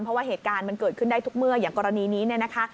เพราะว่าเหตุการณ์มันเกิดขึ้นได้ทุกเมื่ออย่างกรณีนี้เนี่ยนะคะ